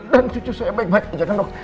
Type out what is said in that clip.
dan cucu saya baik baik aja kan dok